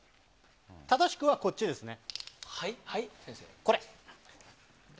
正しくはこっちですね。